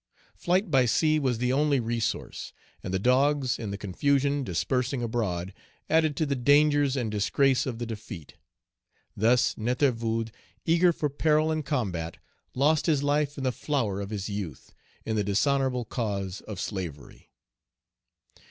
Flight by sea was the only resource; and the dogs, in the confusion dispersing abroad, added to the dangers and disgrace of the defeat. Thus Nétervood, Page 270 eager for peril and combat, lost his life in the flower of his youth, in the dishonorable cause of slavery.